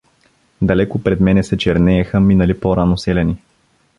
Далеко пред мене се чернееха минали по-рано селяни.